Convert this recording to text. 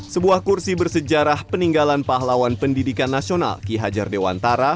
sebuah kursi bersejarah peninggalan pahlawan pendidikan nasional ki hajar dewantara